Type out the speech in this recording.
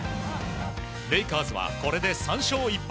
レイカーズはこれで３勝１敗。